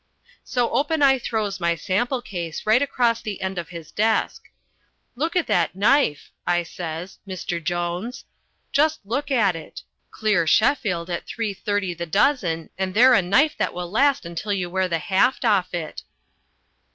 So open I throws my sample case right across the end of his desk. "Look at that knife," I says, "Mr. Jones. Just look at it: clear Sheffield at three thirty the dozen and they're a knife that will last till you wear the haft off it."